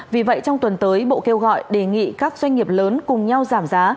vì vậy trong tuần tới bộ kêu gọi đề nghị các doanh nghiệp lớn cùng nhau giảm giá